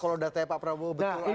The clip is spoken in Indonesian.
kalau data pak prabowo betul adanya